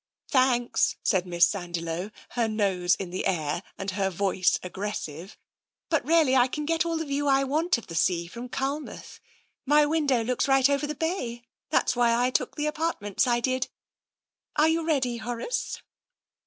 " Thanks," said Miss Sandiloe, her nose in the air and her voice aggressive ;" but really I can get all the view I want of the sea from Culmouth. My window looks right over the bay — that's why I took the apart ments I did. Are you ready, Horace?